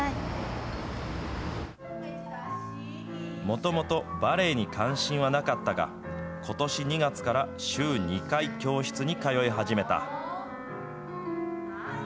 もともとバレエに関心はなかったが、ことし２月から週２回、教室に通い始めた。